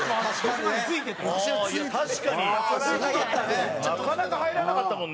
なかなか入らなかったもんね。